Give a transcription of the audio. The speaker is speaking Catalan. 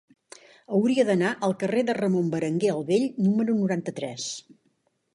Hauria d'anar al carrer de Ramon Berenguer el Vell número noranta-tres.